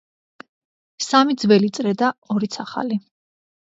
სამი ძველი წრე და ორიც ახალი.